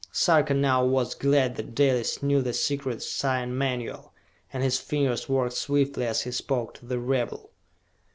Sarka now was glad that Dalis knew the secret sign manual, and his fingers worked swiftly as he spoke to the rebel.